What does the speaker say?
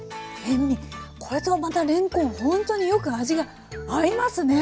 これとまたれんこんほんとによく味が合いますね。